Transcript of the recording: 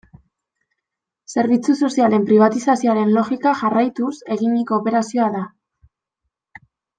Zerbitzu sozialen pribatizazioaren logika jarraituz eginiko operazioa da.